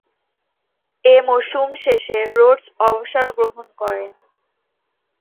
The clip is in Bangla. এ মৌসুম শেষে রোডস অবসর গ্রহণ করেন।